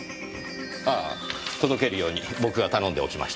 ああ届けるように僕が頼んでおきました。